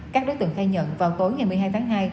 các đối tượng khai nhận vào tối ngày một mươi hai tháng hai